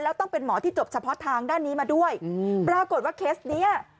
แล้วต้องเป็นหมอที่จบเฉพาะทางด้านนี้มาด้วยอืมปรากฏว่าเคสเนี้ย